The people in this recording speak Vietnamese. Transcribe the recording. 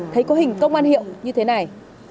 thấy có hình công an hiệu như thế này